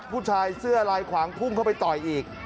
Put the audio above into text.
ผู้ชายเสื้อลายขวางพุ่งเข้าไปต่อยอีก